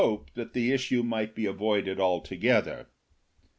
1 that the issue might be avoided altogether.